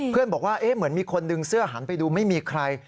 บอกว่าเหมือนมีคนดึงเสื้อหันไปดูไม่มีใคร